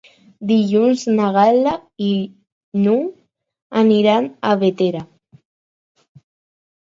Dilluns na Gal·la i n'Hug aniran a Bétera.